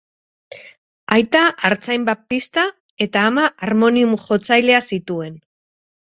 Aita artzain baptista eta ama harmonium-jotzailea zituen.